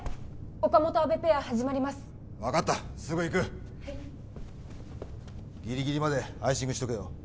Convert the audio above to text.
岡本・阿部ペア始まります分かったすぐ行くギリギリまでアイシングしとけよ